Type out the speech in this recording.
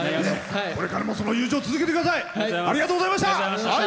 これからもその友情、続けてください。